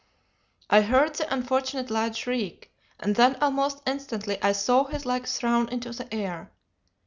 "I heard the unfortunate lad shriek, and then almost instantly I saw his legs thrown into the air.